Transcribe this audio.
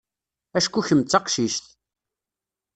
Acku kemm d taqcict.